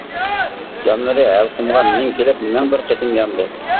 جانلىرى ھەلقۇمىغا مىڭ كېلىپ، مىڭ بىر قېتىم ياندى.